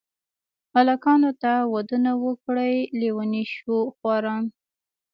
الکانو ته ودونه وکئ لېوني شوه خواران.